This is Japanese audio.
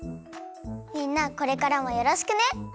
みんなこれからもよろしくね！